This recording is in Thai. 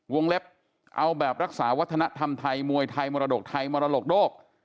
เล็บเอาแบบรักษาวัฒนธรรมไทยมวยไทยมรดกไทยมรดกโลก